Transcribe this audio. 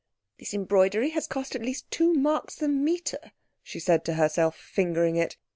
"This embroidery has cost at least two marks the meter," she said to herself, fingering it.